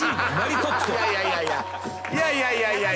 いやいやいやいや。